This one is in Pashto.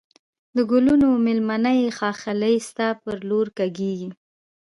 د گلونو مېلمنه یې ښاخلې ستا پر لور کږېږی